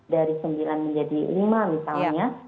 dari sembilan menjadi lima misalnya